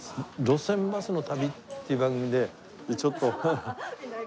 『路線バスの旅』っていう番組でちょっと。